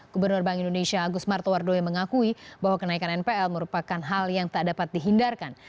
gubernur bank indonesia agus martowardoyo mengakui bahwa kenaikan npl merupakan hal yang tak dapat dihindarkan